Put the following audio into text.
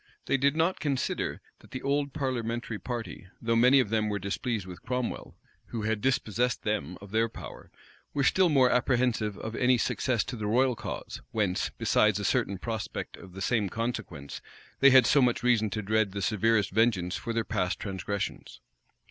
They did not consider, that the old parliamentary party, though many of them were displeased with Cromwell, who had dispossessed them of their power, were still more apprehensive of any success to the royal cause; whence, besides a certain prospect of the same consequence, they had so much reason to dread the severest vengeance for their past transgressions.